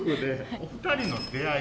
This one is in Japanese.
お二人の出会い